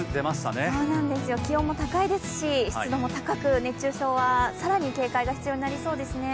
気温も高いですし、湿度も高く、熱中症は更に警戒が必要になりそうですね。